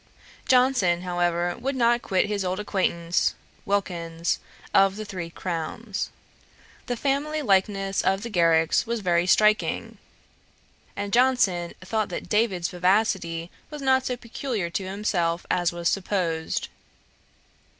Johnson, however, would not quit his old acquaintance Wilkins, of the Three Crowns. The family likeness of the Garricks was very striking; and Johnson thought that David's vivacity was not so peculiar to himself as was supposed.